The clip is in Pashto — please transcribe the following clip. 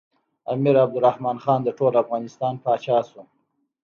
امیر عبدالرحمن خان د ټول افغانستان پاچا شو.